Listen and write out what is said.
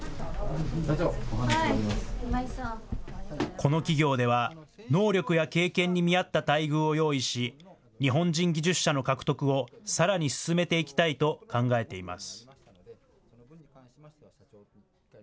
この企業では、能力や経験に見合った待遇を用意し、日本人技術者の獲得をさらに進めていきたいと考えています。